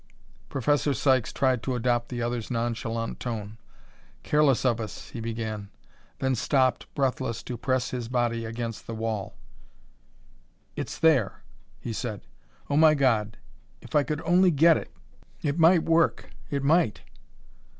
Professor Sykes tried to adopt the other's nonchalant tone. "Careless of us," he began then stopped breathless to press his body against the wall. "It's there!" he said. "Oh, my God, if I could only get it, it might work it might!"